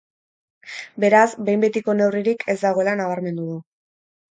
Beraz, behin betiko neurririk ez dagoela nabarmendu du.